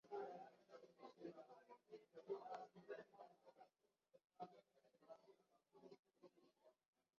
hizo za ulinzi kwani mwanzoni walikuwa wana utaratibu mnzuri katika ukusanyaji wa pesa hizo